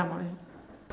anh nam hỏi đi